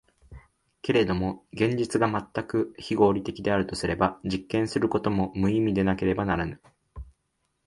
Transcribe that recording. けれども現実が全く非合理的であるとすれば、実験することも無意味でなければならぬ。